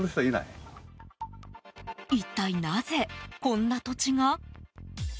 一体なぜ、こんな土地が？